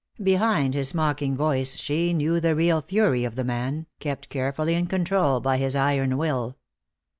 Behind his mocking voice she knew the real fury of the man, kept carefully in control by his iron will.